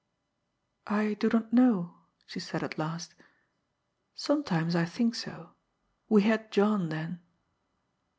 "I do not know," she said at last. "Sometimes I think so. We had John then."